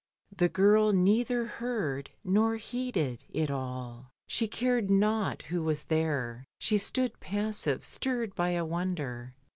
The girl neither heard nor heeded it all; she cared not who was there, she stood passive, stirred by a wonder.